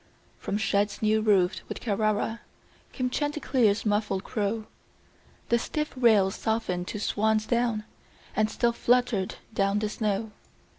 From sheds new roofed with Carrara Came Chanticleer's muffled crow, The stiff rails softened to swan's down, And still fluttered down the snow.